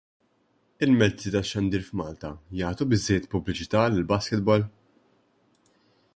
Il-mezzi tax-xandir f'Malta jagħtu biżżejjed pubbliċità lill-basketball?